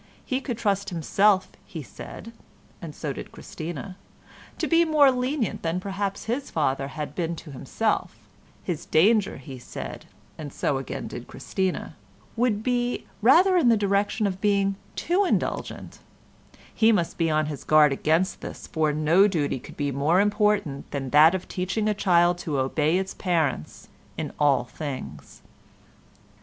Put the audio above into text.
He could trust himself, he said (and so did Christina), to be more lenient than perhaps his father had been to himself; his danger, he said (and so again did Christina), would be rather in the direction of being too indulgent; he must be on his guard against this, for no duty could be more important than that of teaching a child to obey its parents in all things.